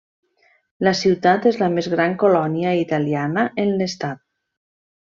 La ciutat és la més gran colònia italiana en l'estat.